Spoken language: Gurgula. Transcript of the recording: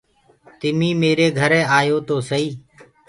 تمينٚ ميري گھري آيو تو سئي۔